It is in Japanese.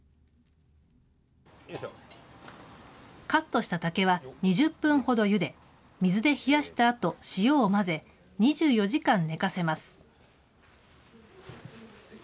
カットした竹は２０分ほどゆで、水で冷やしたあと、塩を混ぜ、２４時間寝かせます。